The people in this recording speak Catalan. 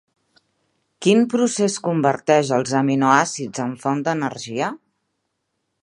Quin procés converteix els aminoàcids en font d'energia?